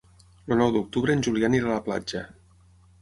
El nou d'octubre en Julià anirà a la platja.